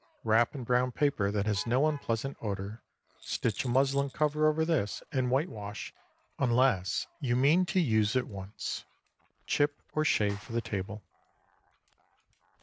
Wrap in brown paper that has no unpleasant odor, stitch a muslin cover over this, and whitewash, unless you mean to use at once. Chip or shave for the table.